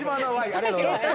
ありがとうございます。